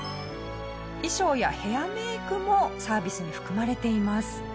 衣装やヘアメイクもサービスに含まれています。